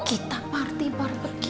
kita party barbecue